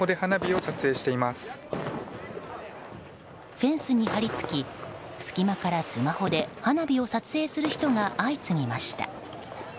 フェンスに張り付き、隙間からスマホで花火を撮影する人が相次ぎました。